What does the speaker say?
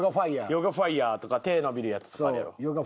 ヨガファイヤーとか手伸びるやつとかあるやろ。